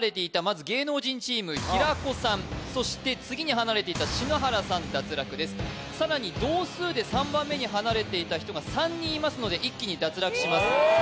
まず芸能人チーム平子さんそして次に離れていた篠原さん脱落ですさらに同数で３番目に離れていた人が３人いますので一気に脱落します